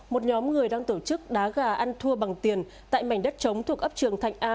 một nhóm người đang tổ chức đá gà ăn thua bằng tiền tại mảnh đất trống thuộc ấp trường thạnh a